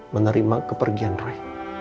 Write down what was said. menerima kepergian roy